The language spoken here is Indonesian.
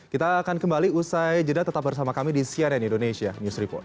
kita akan kembali usai jeda tetap bersama kami di cnn indonesia news report